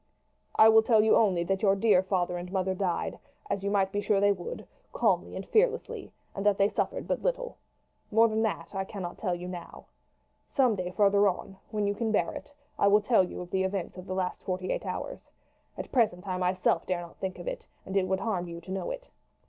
"I will tell you only that your dear father and mother died, as you might be sure they would, calmly and fearlessly, and that they suffered but little. More than that I cannot tell you now. Some day farther on, when you can bear it, I will tell you of the events of the last forty eight hours. At present I myself dare not think of it, and it would harm you to know it.